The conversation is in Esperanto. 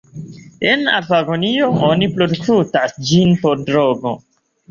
En Afganio oni produktas ĝin por drogo.